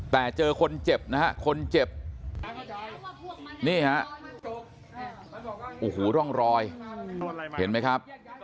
แต่เจอคนเจ็บนะฮะคนเจ็บ